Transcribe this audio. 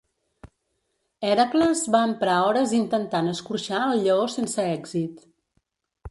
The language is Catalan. Hèracles va emprar hores intentant escorxar el lleó sense èxit.